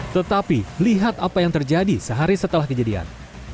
tetapi lihat apa yang terjadi sehari setelah kejadian